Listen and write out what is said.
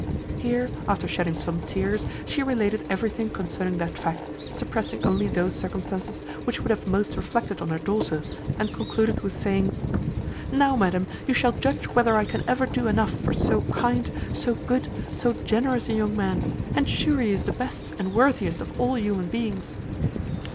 Here, after shedding some tears, she related everything concerning that fact, suppressing only those circumstances which would have most reflected on her daughter, and concluded with saying, "Now, madam, you shall judge whether I can ever do enough for so kind, so good, so generous a young man; and sure he is the best and worthiest of all human beings."